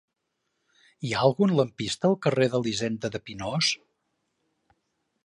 Hi ha algun lampista al carrer d'Elisenda de Pinós?